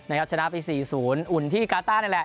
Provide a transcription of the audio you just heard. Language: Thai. นะครับชนะไปสี่ศูนย์อุ่นที่การ์ต้าเนี่ยแหละ